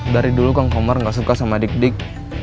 dari dulu kang komar gak suka sama dik dik